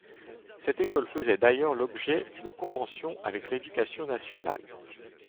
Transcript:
Cette école faisait d'ailleurs l'objet d'une convention avec l'Éducation nationale.